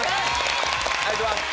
お願いします！